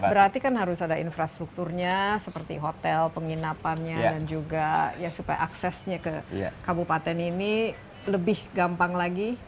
berarti kan harus ada infrastrukturnya seperti hotel penginapannya dan juga ya supaya aksesnya ke kabupaten ini lebih gampang lagi